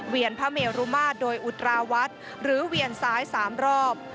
พระเมรุมาตรโดยอุตราวัดหรือเวียนซ้าย๓รอบ